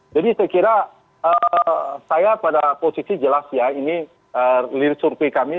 jadi saya kira saya pada posisi jelas ya ini lirik surpi kami